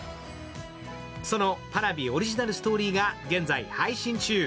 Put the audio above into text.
そのＰａｒａｖｉオリジナルストーリーが現在配信中。